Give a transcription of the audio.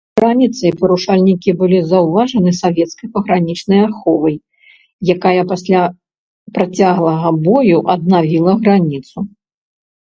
Раніцай парушальнікі былі заўважаны савецкай пагранічнай аховай, якая пасля працяглага бою аднавіла граніцу.